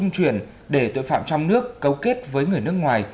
truyền để tội phạm trong nước cấu kết với người nước ngoài